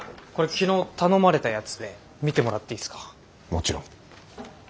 もちろん。